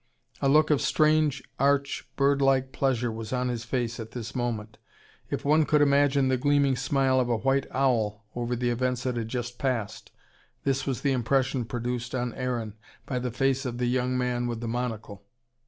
A look of strange, arch, bird like pleasure was on his face at this moment: if one could imagine the gleaming smile of a white owl over the events that had just passed, this was the impression produced on Aaron by the face of the young man with the monocle.